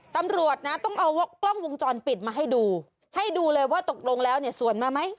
ตำรวจนะต้องเอากล้องวงจรปิดมาให้ดูให้ดูเลยว่าตกลงแล้วเนี่ยสวนมาไหม